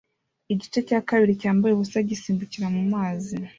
Igice cya kabiri cyambaye ubusa gisimbukira mu mazi